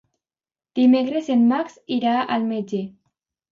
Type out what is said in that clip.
Dimecres en Max irà al metge.